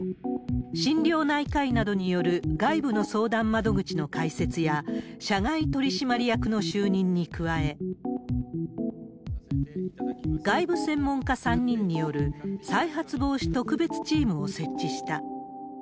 心療内科医などによる外部の相談窓口の開設や、社外取締役の就任に加え、外部専門家３人による再発防止特別チームを設置した。